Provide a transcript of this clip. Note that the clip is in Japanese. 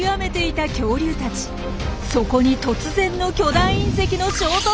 そこに突然の巨大隕石の衝突！